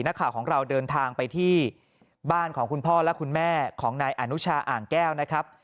นักข่าวของเราเดินทางไปที่บ้านของคุณพ่อและคุณแม่ของนายอนุชาอ่างแก้วนะครับ